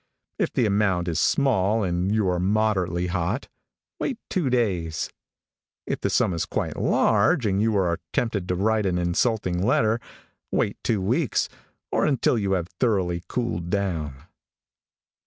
If the amount is small and you are moderately hot, wait two days. If the sum is quite large and you are tempted to write an insulting letter, wait two weeks, or until you have thoroughly cooled down.